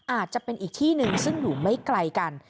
อาจจะเป็นอีกที่หนึ่งซึ่งอยู่ไม่ไกลกัน